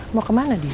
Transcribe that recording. mau kemana dia